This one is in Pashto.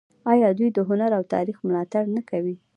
آیا دوی د هنر او تاریخ ملاتړ نه کوي؟